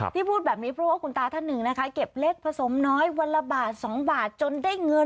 ที่พูดแบบนี้เพราะครรภาคุณตาท่านหนึ